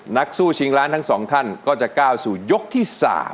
นักสู้ชิงล้านทั้งสองท่านก็จะก้าวสู่ยกที่๓